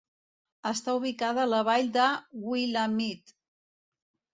Està ubicada a la vall de Willamette.